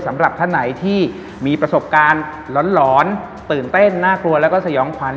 สำหรับท่านไหนที่มีประสบการณ์หลอนตื่นเต้นน่ากลัวแล้วก็สยองขวัญ